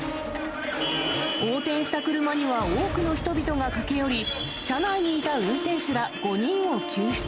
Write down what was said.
横転した車には多くの人々が駆け寄り、車内にいた運転手ら５人を救出。